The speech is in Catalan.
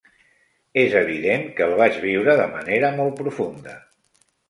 És evident que el vaig viure de manera molt profunda.